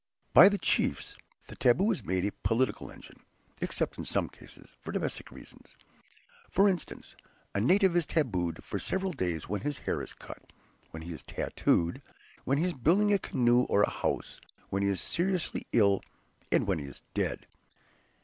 By the chiefs, the "taboo" is made a political engine, except in some cases, for domestic reasons. For instance, a native is tabooed for several days when his hair is cut; when he is tattooed; when he is building a canoe, or a house; when he is seriously ill, and when he is dead.